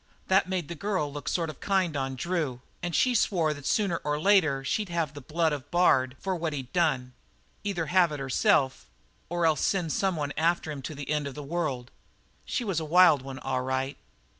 "That made the girl look sort of kind on Drew and she swore that sooner or later she'd have the blood of Bard for what he'd done either have it herself or else send someone after him to the end of the world. She was a wild one, all right.